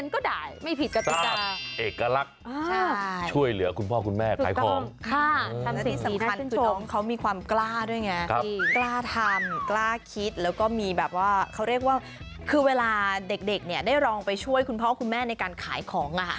กล้าทำกล้าคิดแล้วก็มีแบบว่าเพราะว่าอันดับว่าคือคือเวลาเด็กเนี่ยได้รองไปช่วยคุณพ่อคุณแม่ในการขายของ